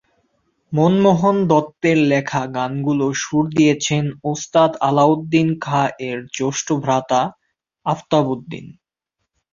মনমোহন দত্তের লেখা গানগুলো সুর দিয়েছেন ওস্তাদ আলাউদ্দীন খাঁ এর জ্যেষ্ঠ ভ্রাতা আফতাব উদ্দিন।